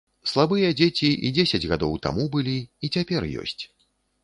Слабыя дзеці і дзесяць гадоў таму былі, і цяпер ёсць.